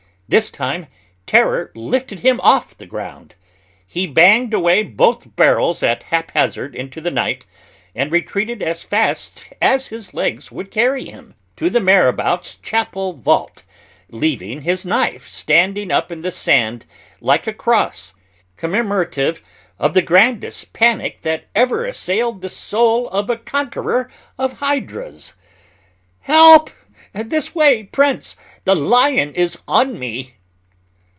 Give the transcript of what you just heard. This time terror lifted him off the ground. He banged away both barrels at haphazard into the night, and retreated as fast as his legs would carry him to the marabout's chapel vault, leaving his knife standing up in the sand like a cross commemorative of the grandest panic that ever assailed the soul of a conqueror of hydras. "Help! this Way, prince; the lion is on me!"